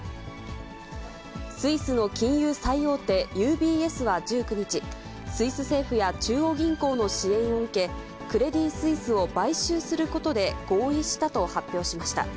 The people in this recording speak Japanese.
スイスの金融最大手、ＵＢＳは１９日、スイス政府や中央銀行の支援を受け、クレディ・スイスを買収することで合意したと発表しました。